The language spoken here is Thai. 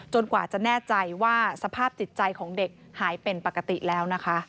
กว่าจะแน่ใจว่าสภาพจิตใจของเด็กหายเป็นปกติแล้วนะคะ